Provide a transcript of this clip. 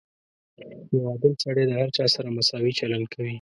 • یو عادل سړی د هر چا سره مساوي چلند کوي.